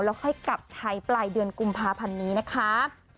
แล้วค่อยกลับไทยปลายเดือนกุมภาพันธ์นี้นะคะ